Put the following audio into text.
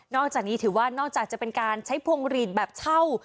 จากนี้ถือว่านอกจากจะเป็นการใช้พวงหลีดแบบเช่า